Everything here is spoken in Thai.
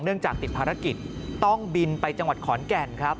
จากติดภารกิจต้องบินไปจังหวัดขอนแก่นครับ